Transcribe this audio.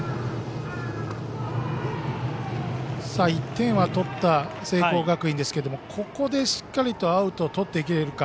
１点は取った聖光学院ですけどもここで、しっかりとアウトをとっていけるか。